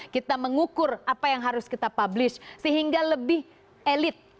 kita mengukur apa yang harus kita publish sehingga lebih elit